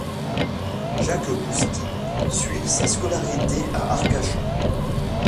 Jacques Poustis suit sa scolarité à Arcachon.